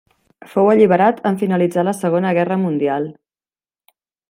Fou alliberat en finalitzar la Segona Guerra Mundial.